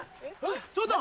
ちょっと。